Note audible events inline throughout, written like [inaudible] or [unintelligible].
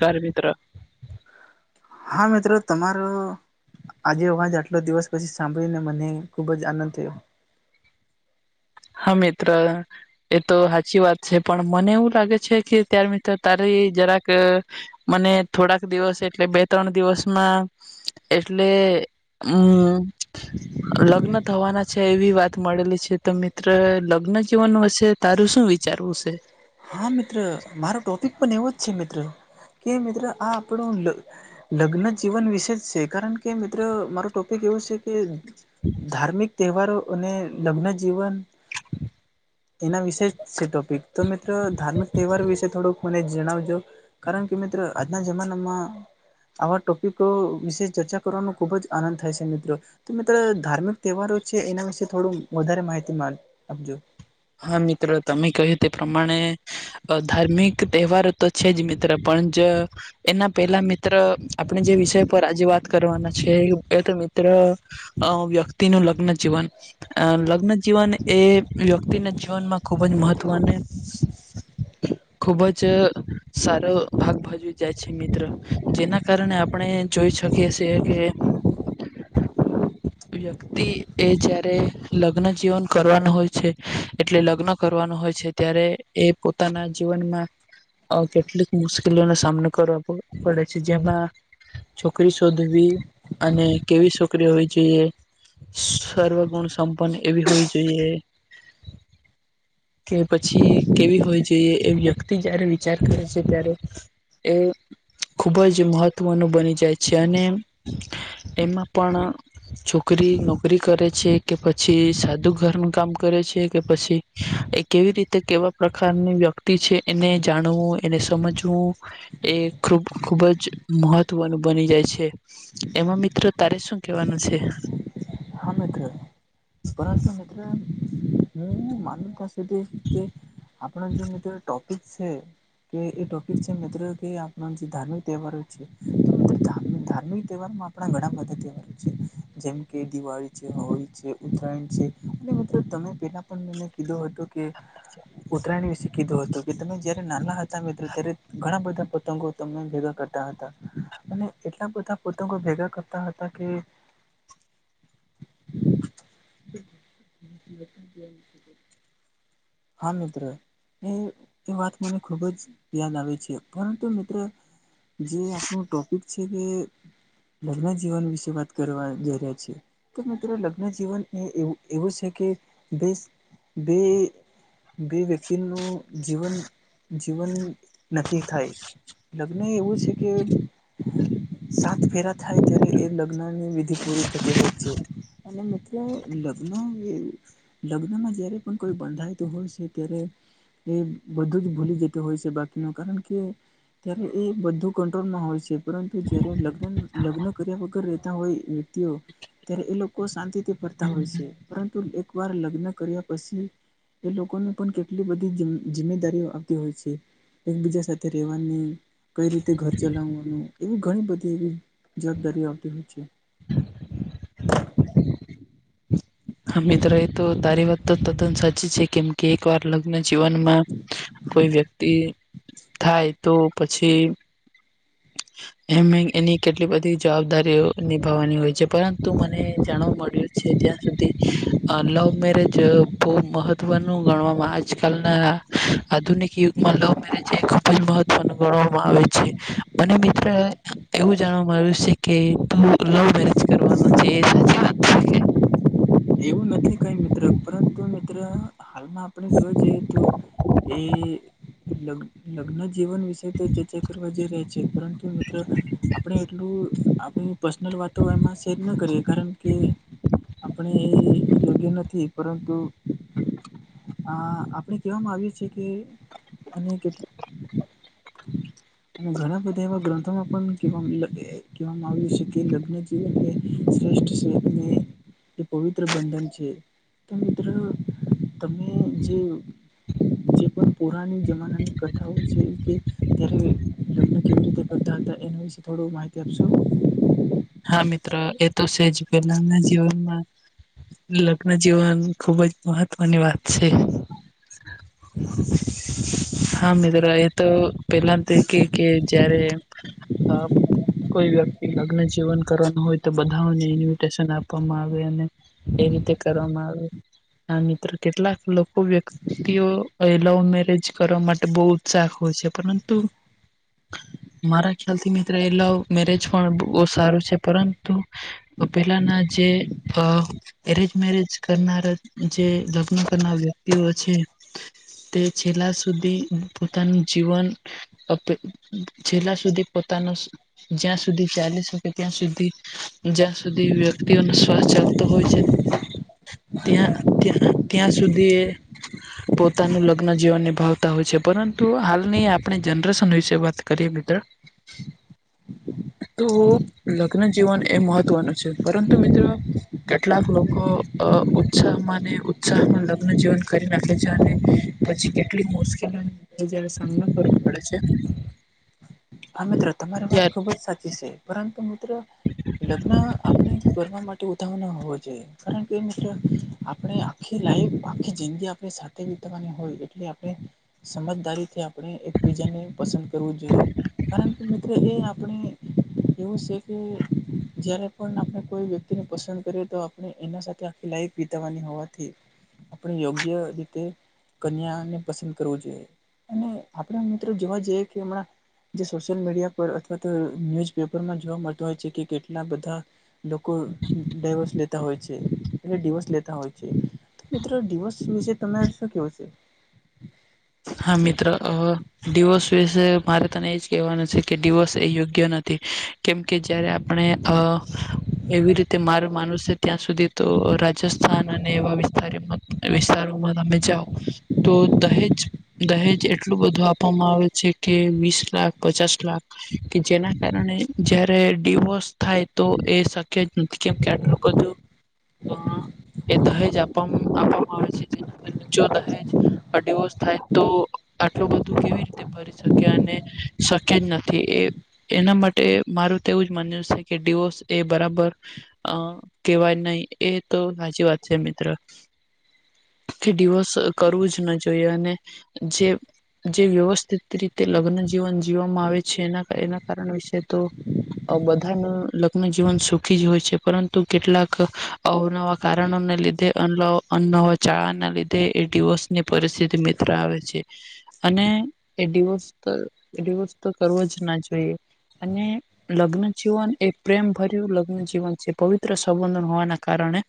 ઘારે મિત્ર હા મિત્રો તમારો આજે અવાજ આટલો દિવસ પછી સાંભળીને મને ખુબ જ આનંદ થયો. હા મિત્ર. એ તો સાચી વાત છે પણ મને એવું લાગે છે કે ત્યાર મિત્ર તારી જરાક અહ મને થોડાક દિવસ એટલે બે ત્રણ દિવસમાં એટલે અમ્મ લગ્ન થવાના છે એવી વાત મળેલી છે તમે તે લગ્ન જીવન વીશેે તારું શું વિચારવું છે? હા મિત્ર મારો ટૉપિક પણ એવો જ છે મિત્ર કે મિત્ર આ આપણો લ લગ્ન જીવન વિશે જ છે કારણ કે મિત્ર મારો ટોપિક એવું છે કે ધાર્મિક તહેવારો અને લગ્ન જીવન એના વિશે છે ટોપિક તો મેં ધાર્મિક તહેવાર વિશે થોડુંક મને જણાવજો કારણ કે મિત્ર આજના જમાનામાં આવા ટોપિકો વિશે ચર્ચા કરવાનો ખૂબ જ થાય છે મિત્ર. તો મિત્રો ધાર્મિક તહેવારો છે એના વિશે થોડું વધારે માહિતી માર આપજો. હા મિત્ર તમે કહ્યું તે પ્રમાણે અહ ધાર્મિક તહેવારો તો છે જ મિત્ર પણ જ એના પેલા મિત્ર આપણે જે વિષય પર આજે વાત કરવાના છે એ તો મી પ્ર અહ વ્યક્તિનું લગ્નજીવન લગ્નજીીવન એ વ્ય ક્તિના જીવનમાં ખુબ જ મહત્વને ખુબ જ સારો ભાગ ભજવી જાય છે મત્ર જેના કારણે આપણે જોઈ શકીએ છે કે વ્યક્તિ એ જ્યારે લગ્ન જીવન કરવાના હોય છે એટલે લગ્ન કરવાનું હોય છે ત્યારે એ પોતાના જીવનમાં આ કેટલીક મુશ્કેલીઓનો સામનો કરવા પડે છે જેમાં છોકરી શોધવી અને કેવી છોકરીઓ જોઈએ સર્વગુણ સંપન્ન એવી હોવી જોઈએ. કે પછી કેવી હોય જોઈએ એ વ્યક્તિ જય્યારે વિચાર કરે છે ત્યારે એ ખૂબ જ મહત્વનું બની જાય છે અને એમાં પણ છોકરી નોકરી કરે છે કે પછી સાદું ઘરનું કામ કરે છે કે પછી એ કેવી રીતે કેવા પ્રકારની વ્યક્તિ છે એને જાણવું એને સમજવું એ ખૂબ ખૂબ જ મહત્વનું બની જાય છે. એમાં મિત્રો તારે શું કેવાનું છે? હા મિત્ર, પરંતુ મિત્ર હું માનતાથી છે કે આપના જે ટોપિક છે કે એ ટોપિક છે મિત્રો કે આપના જે ધાર્મિક તહેવારો છે ધામિ-ધાર્મિક તહેવારમાં આપણા બધા તહેવારો છે જેમ કે દિવાળી છે હોળી છે થૅન્ક છે અને મિત્ર તમે પેલા પણ મને કીધું હતો કે ઉત્તરાયણ વિશે કીધું હતું કે તમે જય્યારે નાના હતા મિત્રો ત્યારે ઘણા બધા પતંગો તમને ભેગા કરતા હતા અને એટલા બધા પતંગો ભેગા કરતા હતા કે [inaudible] હા મિત્ર એ તે વાત મને ખૂબ જ યાદ આવે છે પરંતુ મિત્ર જે આપણું ટોપિક છે તે લગ્ન જીવન વિશે વાત કરવા જઈ રહ્યા છે. તો મિત્રો લગ્નજીીવન એ એવું છે કે બેસ બે. બે વ્યક્તિનું જીવન જીવન નક્કી થાય લગ્ન એવું છે કે સાત ફેરા થાય ત્યારે એ લગ્નની વિધિ પૂરી થતી હોય છે અને મિત્રો લગ્ન લગ્નમાં જયારે પણ કોઈ બંધા--ય હોય છે ત્યારે એ બધું જ ભૂલી જતા હોય છે બાકીનું કારણ કે ત્યારે એ બધું કંટ્રોલમાં હોય છે પરંતુ જ્યારે લગ્ન લગ્ન કર્યા વગર રહેતા હોય. તેઓ ત્યારે એ લોકો શાંતિથી ફરતા હોય છે પરંતુ એક વાર લગ્ન કર્યા પછી. એ લોકો ને પણ કેટલી બધી જીજિમેદારીઓ આવતી હોય છે એકબીજા સાથે રહેવાની. કઈ રીતે ઘર ચલાવવાવુ એવી ઘણી બધી એવી જવાબદારીઓ આવતી હોય છે. હા મિત્ર એતો તારી વાત તો તદન સાચી. સાચી છે કેમ કે એક વાર લગ્ન જીવનમાં કોઈ વ્યક્તિ. થાય તો પછી. [inaudible] એમ. એની કેટલી બધી જવાબદારીઓ નિભાવવાની હોય છે પરંતુ મને જાણવા મળ્યું છે. ત્યાં સુધી અ લવ મેરેજ બહુ મહત્ત્વનું ગણવામાં આવે છે આજકાલના‌ આધુનિક યુગમાં લવ મેરેજ એ ખૂબ જ મહત્વનું ગણવામાં આવે છે અને મિત્ર. એવું જાણવામાં આવ્યું છે કે તુ લવ મેરેજ કરવાના છો એ સાચી વાત છે કે. એવું નથી કઈ મિત્ર પરંતુ મિત્ર હાલમાં. આપણે જોવા જઇએ તો એ લગ્ન લગ્ન જીવન. વિશે તો ચર્ચા કરવા જઈ રહ્યા છે પરંતુ મિત્રો આપણે એટલું આપણુ. પર્સનલ વાતો આમાં શેર ન કરીએ કારણ કે. આપણે એ યોગ્ય નથી પરંતુ. હા આપણે કહેવામાં આવીયુ છે કે અને કેટલી. ઘણા બધા એવા ગ્રંથોમાં પણ કહેવા કહેવામાં આવ્યું છે કે લગ્ન જીવન. શ્રેષ્ઠ છે જે પવિત્ર બંધન છે તો મિત્ર. તમને જે. જે પણ પુરાની જમાનાની કથાઓ છે કે ત્યારે. લગન કેવી રીતે કરતા હતા. એના વિશે થોડી માહિતી આપશો. હા મિત્ર એતો છે જ પહેલાના જીવનમાં. લગ્ન જીવન ખૂબ જ મહત્વ ની વાત છે. હા મિત્ર એ તો. પહેલા તો કે કે જયારે અ કોઈ વ્યક્તિ લગ્ન જીવન. લગ્ન કરવાના હોય તો બધાને ઇન્વિટેશન આપવામાં આવે અને. એ રીતે કરવામાં. આવે આ મિત્ર કેટલાક લોકો વ્યક્ તિઓ લવ મેરેજ કરવા માટે બહુ ઉત્સાહ હોય છે પરંતુ. [inaudible] મારા ખ્યાલ થી મિત્ર એ લવ મેરેજ પણ. સારું છે પરંતુ પહેલાના જે અ. એરેન્જ મેરેજ કરનારા જે લગ્ન કરનાર વ્યક્તિઓ છે. તે છેલ્લા સુધી પોતાનું જીવન. છેલ્લા સુધી પોતાનો જ્યાં સુધી ચાલી શું. કે ત્યાં સુધી જ્યાં સુધી વ્યક્તિઓનો શ્વાસ ચાલતો હોય છે. ત્યાં ત્યા ત્યાં સુધી એ‌ પોતાનું લગ્ન જીવન નિભાવતા હોય છે. પરંતુ હાલની આપણે જનરેશન વિશે વાત કરીએ મિત્ર. [inaudible] તો લગ્ન જીવન એ મહત્વનું છે. પરંતુ મિત્ર કેટલાક લોકો અ ઉત્સાહમાં ને ઉત્સાહમાં લગ્ન જીવન કરી નાખે છે ને પછી કેટલી મુશ્કેલીનો મિત્ર જયારે સામનો કરવો પડે છે. હા મિત્ર તમારી વાત ખુબ જ ત્યારે સાચી છે. પરંતુ મીત ત્ર લગ્ન આપણે કરવા માટે ઉતાવળ ન હોવો છે. કારણ કે મિત્ર આપણે આખી લાઈફ, આખી જિંદગી આપણે સાથે વિતાવાની હોય. એટલે આપણે સમજદારીથી આપણે એકબીજાને પસંદ કરવું જોઈએ. કારણ કે મિત્ર એ આપણે એવું છે કે જયારે પણ આપણે કોઈ વ્યક્તિને પસંદ કરીએ તો આપ ને એના સાથે આખી લાઈફ વિતાવવાની હોવાથી આપણે યોગ્ય રીતે કન્યાને પસંદ કરવું જોઈએ. અને આપણે મિત્ર જોવા જઈએ કે હમણાં જે સોશિયલ મીડિયા પર અથવા તો ન્યુઝપેપરમાં જોવા મળતા હોય છે કે કેટલા બધા લોકો ડાયવોર્સ લેતા હોય છે. એટલે ડીવોર્સ લેતા હોય છે. મિત્રો ડિવોર્સ વિશે તમારે શું કેવું છે? હા મિત્ર અ ડિવોર્સ વિશે મારે તને એજ કહેવાનું છે કે ડિવોર્સ એ યોગ્ય નથ થી કેમ કે જ્યારે આપણે અ [inaudible] એવી રીતે મારે માનવુ છે ત્યાં સુધી તો રાજસ્થાન અને એવા વિસ્તારમાં વિસ્તારોમાં તમે જાઓ તો દહેજ દહેજ એટલું બધું આપવામાં આવે છે કે વીસ લાખ, પચાસ લાખ કે જેના કારણે જયારે ડિવોર્સ થાય તો એ શક્ય નથી કેમ કે આટલું હજુ અ એ દહેજ આપવામાં આપવામાં આવે છે. જેની અંદર નીચો દહેજ અ ડિવોર્સ થાય તો આટલું બધું કેવી રીતે ભરી શકે. અને શક્ય જ નથી એ એના માટે મારું તો એવું જ માન્ય છે કે ડિવોર્સ એ બરાબર અ કેહેવાય નહી. એતો સાચી વાત છે મિત્ર. કે ડિવોર્સ કરવું જ ન જોઈએ અને જે જે વ્યવસ્થિત રીતે લગ્ન જીવન જીવવા માં આવે છે એના એના કારણ વિશે તો અ બધાનું લગ્નજીવન સુખી જ હોય છે. પરંતુ કેટલાક અવનવા કારણોને લીધે અન અનનવા ચાળાને લીધે એ ડીવોર્સની પરિસ્થિતિ મિત્ર આવે છે. અને એ ડીવોર્સ તો ડિવોર્સ તો કરવો જ ના જોઈએ. અને લગ્ન જીવન એ પ્રેમ ભર્યું લગ્ન જીવન છે. પવિત્ર સંબંધન હોવાના કારણે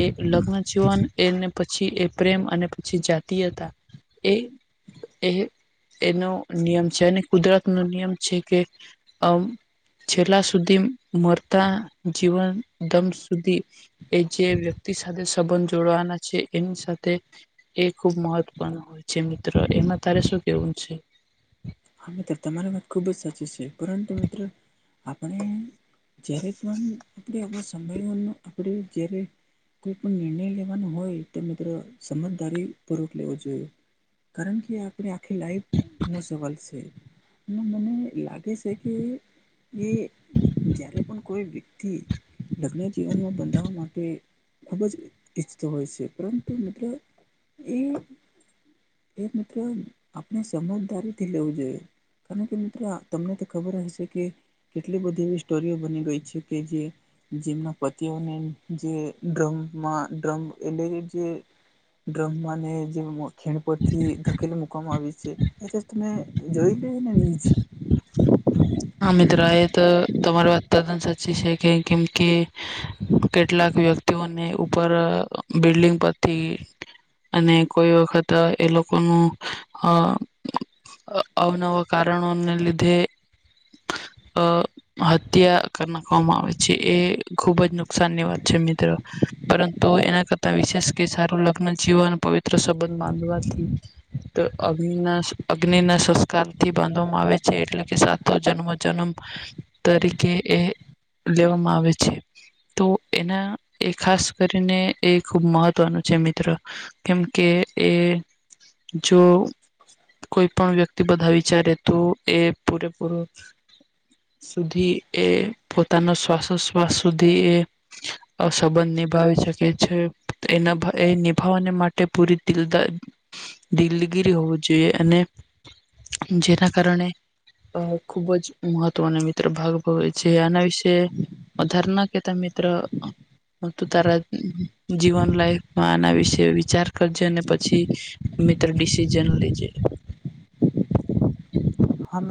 એ લગ્ન જીવન એમને પછી એ પ્રેમ અને પછી જાતિયતા એ એ એનો નિયમ છે અને કુદરતનો નિયમ છે કે આમ છેલ્લા સુધી મરતા જીવન દમ સુધી એ જે વ્યક્તિ સાથે સંબંધ જોડવાના છે એની સાથે એ ખુબ મહત્વપૂર્ણ હોય છે મિત્ર એમાં તારે શું કેવું છે? હા મિત્ર તમારી વાત ખુબ જ સાચી છે. પરંતુ મિત્ર આપણે જયારે પણ આપણે આમાં સમયોનો આપણે જ્યારે કોઈ પણ નિર્ણય લેવાનો હોય, તો મિત્ર સમજદારી પૂર્વક લેવો જોઈએ. કારણ કે આપણે આખી લાઈફ નો સવાલ સ સે. એમાં મને લાગે સે કે એ જ્યારે પણ કોઈ વ્યક્તિ લગ્ન જીવનમાં બંધાવા માટે ખૂબ જ ઈચ્છતો હોય છે. પરંતુ મતલબ એ એ મિત્ર આપણે સમજદારી થી લેવું જોઈએ. કારણ કે મિત્ર તમને તો ખબર જ હશે, કે કેટલી બધી એવી સ્ટોરીઓ બની ગઈ છે, કે જે જેમના પતિઓને જે ડ્રમમાં ડ્રમ એટલે કે જે ડ્રમમાંને જે ખીણ પરથી ધકેલી મુકવામાં આવી છે. [unintelligible] જોઈ લેઈ ને નીચ હા મિત્ર. એ તો તમારી વાત તદન સાચી છે. કે કેમ કે કેટલાક વ્યક્તિઓને ઉપર બિલ્ડિંગ પરથી અને કોઈ વખત એ લોકોનું અહ અહ અવનવા કારણોને લીધે અહ હત્યા કર નાખવામાં આવે છે. એ ખુબ જ નુકસાનની વાત છે મિત્ર. પરંતુ એના કરતા વિશેષ કે સારું લગ્ન જીવન, પવિત્ર સંબંધ બાંધવાથી તો અગ્નિના અગ્નિના સંસ્કારથી બાંધવામાં આવે છે. એટલે કે સાત ત જન્મોજન્મ તરીકે એ લેવામાં આવે છે. તો એના એ ખાસ કરીને એ ખુબ મહત્વનું છે મિત્ર. કેમ કે એ જો કોઈ પણ વ્યક્તિ બધા વિચારે તો એ પૂરે પૂરો સુધી એ પોતાનો શ્વાસોશ્વાસ સુધી એ [inaudible] અહ સંબંધ નિભાવી શકે છે. તેના ભ એ નિભાવવાને માટે પૂરી દિલદાર દિલગીરી હોવી જોઈએ. અને જેના કારણે અહ ખુબ જ મહત્વના મિત્ર ભાગ ભવે છે. આના વિશે વધાર ના કહેતા મિત્ર. હું તું તારા જીવન લાઈફમાં આના વિશે વિચાર કરજે. અને પછી મિત્ર ડિસિઝન લેજે. હા મે